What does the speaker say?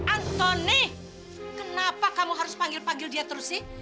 antoni kenapa kamu harus panggil panggil dia terus sih